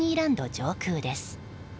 上空です。